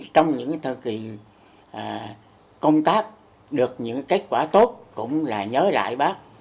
trong những thời kỳ công tác được những kết quả tốt cũng là nhớ lại bác